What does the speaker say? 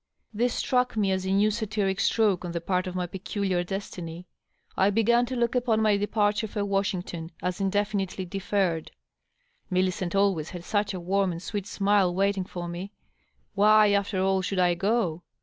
This struck me as a new satiric stroke on the part of my peculiar destiny. I b^an to look upon my departure for Washington as indefi nitely deferred. Millicent always had such a warm and sweet smile waiting for me! Why, after all, should I go?